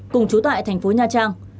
cùng chú tại thành phố nha trang